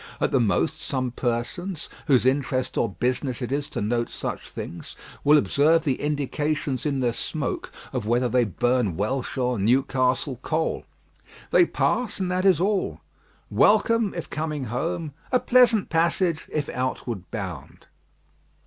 At the most, some persons, whose interest or business it is to note such things, will observe the indications in their smoke of whether they burn Welsh or Newcastle coal. They pass, and that is all. "Welcome," if coming home; "a pleasant passage," if outward bound.